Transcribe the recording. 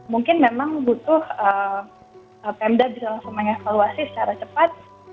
mungkin memang butuh pemda bisa langsung mengevaluasi secara cepat